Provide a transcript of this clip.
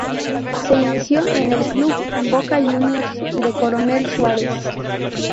Se inició en el club Boca Juniors de Coronel Suárez.